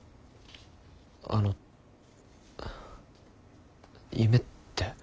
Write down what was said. あの夢って？